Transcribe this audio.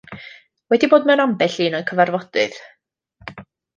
Wedi bod mewn ambell un o'u cyfarfodydd.